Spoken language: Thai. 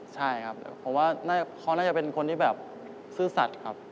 ใช่ครับผมว่าเขาน่าจะเป็นคนที่แบบซื่อสัตว์ครับ